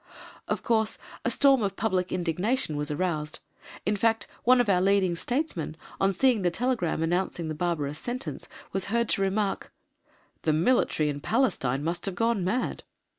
Of course a storm of public indignation was aroused. In fact one of our leading Statesmen, on seeing the telegram announcing the barbarous sentence, was heard to remark: "The Military in Palestine must have gone mad."